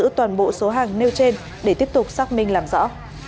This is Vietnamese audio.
tạm giữ toàn bộ số hàng nêu trên để tiếp tục xác minh làm rõ